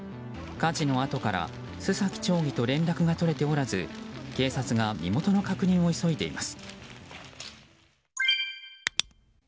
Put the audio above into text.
火事のあとから洲崎町議と連絡が取れておらず警察が身元の確認を急いでいます。